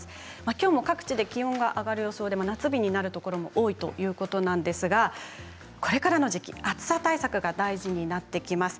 きょうも各地で気温が上がる予想で夏日になるところも多いということなんですがこれからの時期、暑さ対策が大事になってきます。